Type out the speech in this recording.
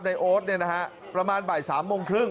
ในโอ๊ตเนี่ยนะฮะประมาณบ่าย๓โมงครึ่ง